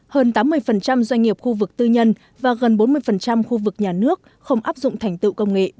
hơn tám mươi doanh nghiệp khu vực tư nhân và gần bốn mươi khu vực nhà nước không áp dụng thành tựu công nghệ bốn